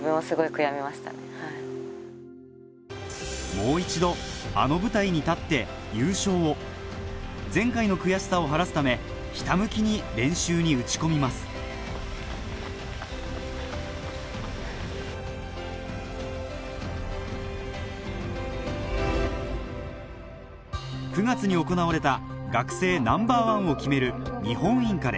もう一度あの舞台に立って優勝を前回の悔しさを晴らすためひた向きに練習に打ち込みます９月に行われた学生ナンバーワンを決める日本インカレ